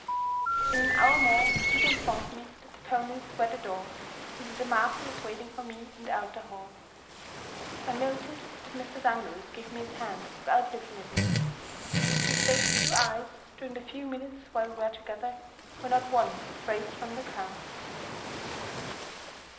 In an hour more Peter informed me that the ponies were at the door, and that the Master was waiting for me in the outer hall. I noticed that Mr. Dunross gave me his hand, without looking at me. His faded blue eyes, during the few minutes while we were together, were not once raised from the ground.